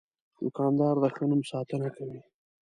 دوکاندار د ښه نوم ساتنه کوي.